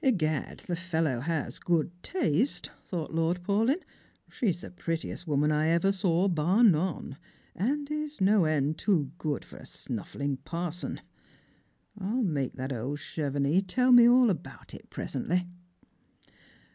"Egad, the fellow has good taste," thought Lord Paulyn. " She's the prettiest woman I ever saw, bar none, and is no end too good for a snuffling parson. I'll make that old Chevenix tell me all about it presently."